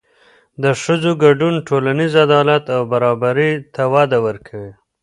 د ښځو ګډون ټولنیز عدالت او برابري ته وده ورکوي.